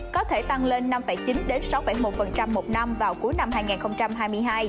có thể tăng lên năm chín sáu một một năm vào cuối năm hai nghìn hai mươi hai